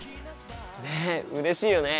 ねっうれしいよね。